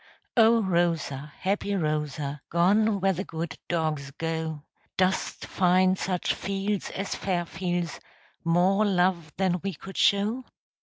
O Rosa, happy Rosa, Gone where the good dogs go, Dost find such fields as "Fairfields," More love than we could show?